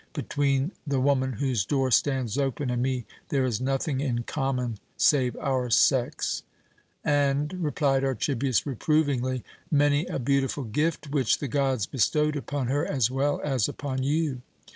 Between the woman whose door stands open, and me, there is nothing in common save our sex." "And," replied Archibius reprovingly, "many a beautiful gift which the gods bestowed upon her as well as upon you.